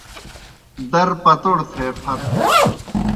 در پتَوڑ تھے پھت۔